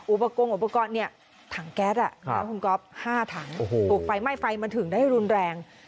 อุบากลงอุบากอดถังแก๊ส๕ถังถูกไฟไหม้ไฟมันถึงได้รุนแรง